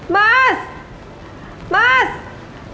masih aja ngambilin ibu